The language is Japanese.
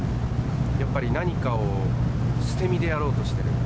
やっぱり何かを捨て身でやろうとしている。